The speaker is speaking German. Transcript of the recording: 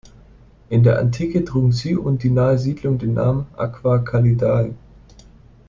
In der Antike trugen sie und die nahe Siedlung den Namen Aquae Calidae.